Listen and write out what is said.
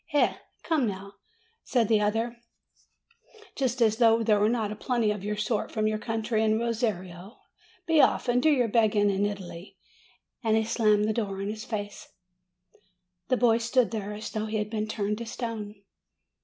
"Eh? come now," said the other; "just as though there were not a plenty of your sort from your country in Rosario! Be off, and do your begging in Italy!" And he slammed the door in his face. The boy stood there as though he had been turned to stone.